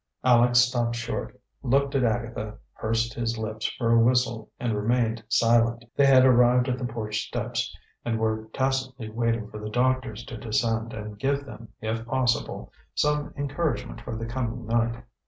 Aleck stopped short, looked at Agatha, pursed his lips for a whistle and remained silent. They had arrived at the porch steps, and were tacitly waiting for the doctors to descend and give them, if possible, some encouragement for the coming night.